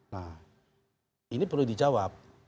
nah ini perlu dijawab